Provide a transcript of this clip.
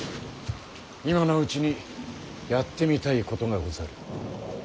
今のうちにやってみたいことがござる。